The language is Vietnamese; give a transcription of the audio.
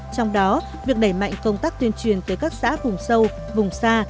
trong đó việc đẩy mạnh công tác tuyên truyền tới các xã vùng sâu vùng xa